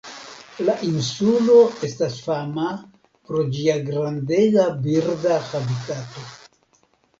La insulo estas fama pro ĝia grandega birda habitato.